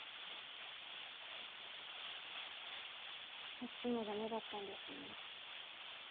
そっちもダメだったんですね？